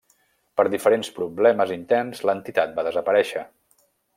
Per diferents problemes interns l'entitat va desaparèixer.